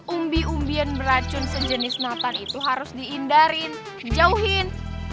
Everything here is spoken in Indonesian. umbi umbian beracun sejenis nathan itu harus diindarin dijauhin